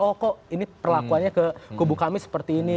oh kok ini perlakuannya ke kubu kami seperti ini